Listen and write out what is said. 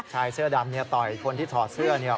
ชายเสื้อดำเนี่ยต่อยคนที่ถอดเสื้อเนี่ย